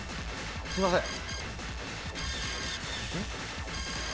すいません。